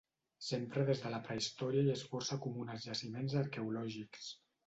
S'empra des de la prehistòria i és força comú en els jaciments arqueològics.